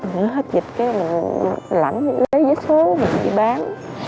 nếu hết dịch cái là lãnh lấy giấy số mình đi bán